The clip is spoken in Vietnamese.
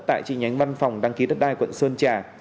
tại chi nhánh văn phòng đăng ký đất đai quận sơn trà